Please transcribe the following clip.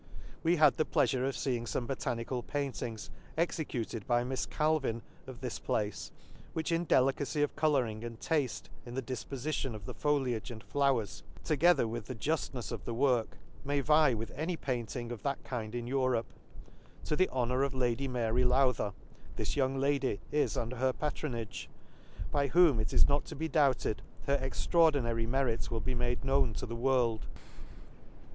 We had the pleafure of feeing fbme bo tanical paintings, executed by Mifs Cal vin, of this place^ which in delicacy of colouring, and tafhe in the difpofition of the foliage and flowers, together with the juftnefs of the work, may vie with any painting of that kind in Europe. — To the honour of Lady Mary Lowther, this young Lady is under her patronage, by whom, it is not to be doubted, her ex traordinary merit will be made known tq £he world.